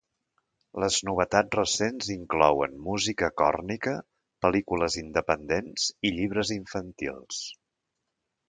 Les novetats recents inclouen música còrnica, pel·lícules independents i llibres infantils.